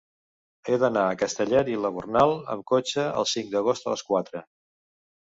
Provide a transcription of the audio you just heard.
He d'anar a Castellet i la Gornal amb cotxe el cinc d'agost a les quatre.